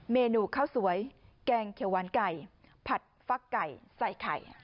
เมนูข้าวสวยแกงเขียวหวานไก่ผัดฟักไก่ใส่ไข่